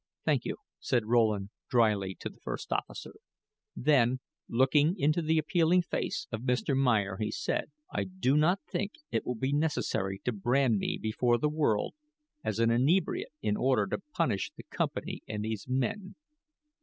"Thank you," said Rowland, dryly, to the first officer; then, looking into the appealing face of Mr. Meyer, he said: "I do not think it will be necessary to brand me before the world as an inebriate in order to punish the company and these men.